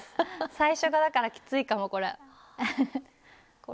最初がだからきついかもこれ。